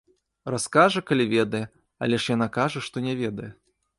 Раскажа, калі ведае, але ж яна кажа, што не ведае.